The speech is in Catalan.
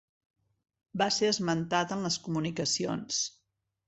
Va ser esmentat en les comunicacions.